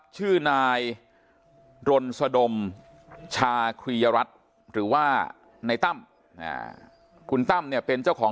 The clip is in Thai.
ชื่อนายรณสดมชาครียรัฐหรือว่าในตั้มคุณตั้มเนี่ยเป็นเจ้าของ